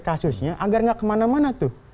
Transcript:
kasusnya agar nggak kemana mana tuh